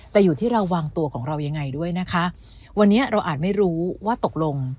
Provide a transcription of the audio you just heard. แต่อยู่ที่เราวางตัวของเรายังไงด้วยนะคะวันนี้เราอาจไม่รู้ว่าตกลง